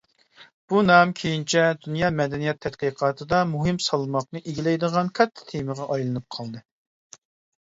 بۇ نام كېيىنچە دۇنيا مەدەنىيەت تەتقىقاتىدا مۇھىم سالماقنى ئىگىلەيدىغان كاتتا تېمىغا ئايلىنىپ قالدى.